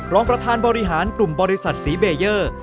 รองประธานบริหารกลุ่มบริษัทสีเบเยอร์